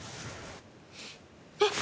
えっ？